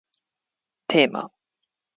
テーマ